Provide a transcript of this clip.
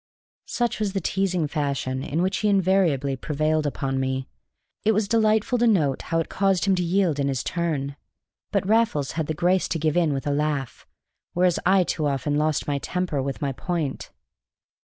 Such was the teasing fashion in which he invariably prevailed upon me; it was delightful to note how it caused him to yield in his turn. But Raffles had the grace to give in with a laugh, whereas I too often lost my temper with my point.